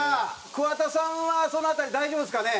桑田さんはその辺り大丈夫ですかね？